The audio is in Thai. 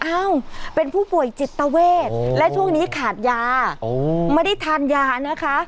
อ้าวเป็นผู้ป่วยจิตเวทและช่วงนี้ขาดยาไม่ได้ทานยานะคะ